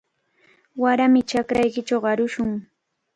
Warami chakraykichaw arushun.